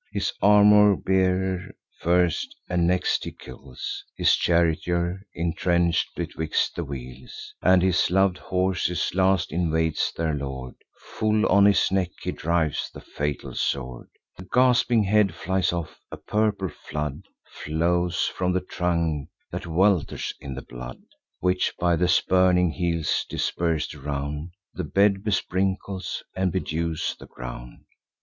His armour bearer first, and next he kills His charioteer, intrench'd betwixt the wheels And his lov'd horses; last invades their lord; Full on his neck he drives the fatal sword: The gasping head flies off; a purple flood Flows from the trunk, that welters in the blood, Which, by the spurning heels dispers'd around, The bed besprinkles and bedews the ground.